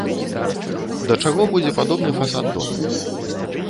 Да чаго будзе падобны фасад дома?